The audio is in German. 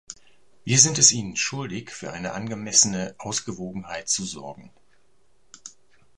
Wir sind es ihnen schuldig, für eine angemessene Ausgewogenheit zu sorgen.